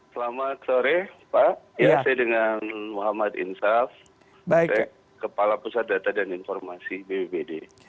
selamat sore pak saya dengan muhammad insaf kepala pusat data dan informasi bbbd